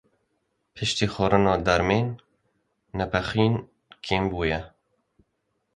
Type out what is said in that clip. Piştî xwarina dermên nepixîn kêm bûye.